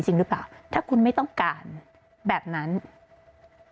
สิ่งที่ประชาชนอยากจะฟัง